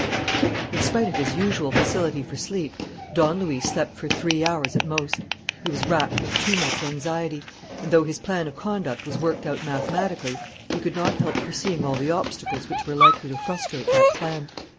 In spite of his usual facility for sleep, Don Luis slept for three hours at most. He was racked with too much anxiety; and, though his plan of conduct was worked out mathematically, he could not help foreseeing all the obstacles which were likely to frustrate that plan.